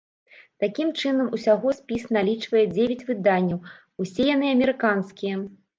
Такім чынам, усяго спіс налічвае дзевяць выданняў, усе яны амерыканскія.